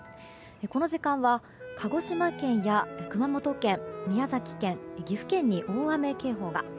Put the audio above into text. この時間は鹿児島県や熊本県宮崎県、岐阜県に大雨警報が。